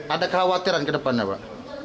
ada kekhawatiran ke depannya pak